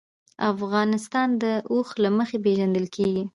افغانستان د اوښ له مخې پېژندل کېږي.